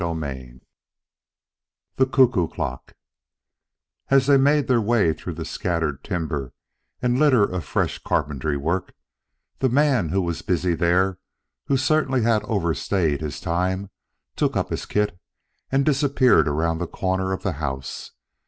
XVII THE CUCKOO CLOCK As they made their way through scattered timber and the litter of fresh carpentry work, the man who was busy there and who certainly had outstayed his time took up his kit and disappeared around the corner of the house.